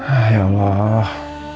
ah ya allah